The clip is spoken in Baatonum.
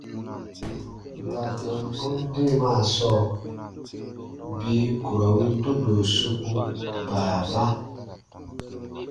Baatɔmbun deemaa sɔɔ bii ku ra win tundo soku baaba.